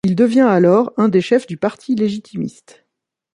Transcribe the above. Il devient alors un des chefs du parti légitimiste.